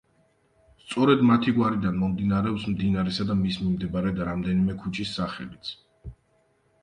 სწორედ მათი გვარიდან მომდინარეობს მდინარისა და მის მიმდებარედ, რამდენიმე ქუჩის სახელიც.